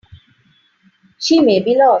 She may be lost.